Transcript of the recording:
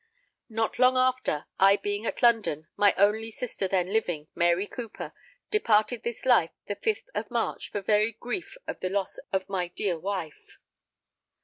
Not long after, I being at London, my only sister then living, Mary Cooper, departed this life the fifth of March for very grief of the loss of my dear wife.